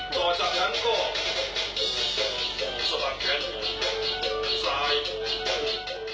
ต่อจากนั้นก็สะบัดเจ็ดสายวาง